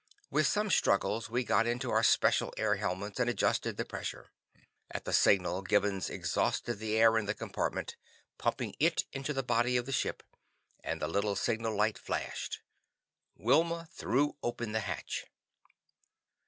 With some struggles, we got into our special air helmets and adjusted the pressure. At our signal, Gibbons exhausted the air in the compartment, pumping it into the body of the ship, and as the little signal light flashed, Wilma threw open the hatch.